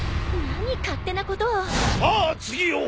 何勝手なことを！